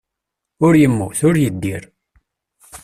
Ur yemmut, ur yeddir.